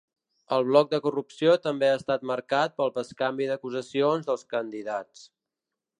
El bloc de corrupció també ha estat marcat pel bescanvi d’acusacions dels candidats.